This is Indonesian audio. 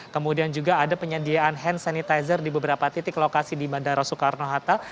kemudian juga ada penyediaan hand sanitizer di beberapa titik lokasi di bandara soekarno hatta